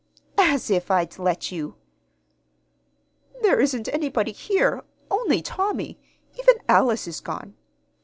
"As if I'd let you!" "There isn't anybody here, only Tommy. Even Alice is gone.